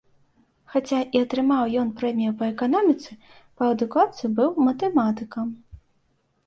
Хаця і атрымаў ён прэмію па эканоміцы, па адукацыі быў матэматыкам.